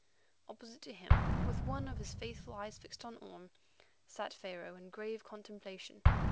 Opposite to him, with one of his faithful eyes fixed on Orme, sat Pharaoh in grave contemplation.